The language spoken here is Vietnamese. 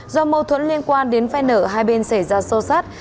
do mâu thuẫn liên quan đến phe nở hai bên xảy ra sâu sát